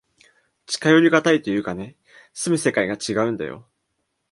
近寄りがたいというかね、住む世界がちがうんだよ。